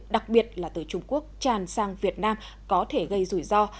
đặc biệt là từ trung quốc tràn sang việt nam có thể gây rủi ro